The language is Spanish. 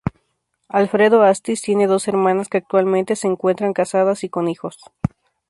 Alfredo Astiz tiene dos hermanas que actualmente se encuentran casadas y con hijos.